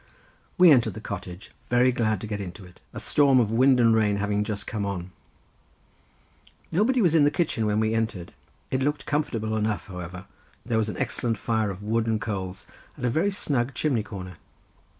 We entered the cottage, very glad to get into it, a storm of wind and rain having just come on. Nobody was in the kitchen when we entered. It looked comfortable enough, however; there was an excellent fire of wood and coals, and a very snug chimney corner.